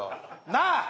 なあ！